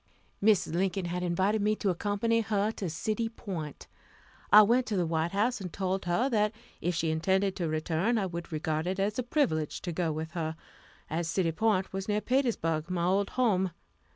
Mrs. Lincoln had invited me to accompany her to City Point. I went to the White House, and told her that if she intended to return, I would regard it as a privilege to go with her, as City Point was near Petersburg, my old home.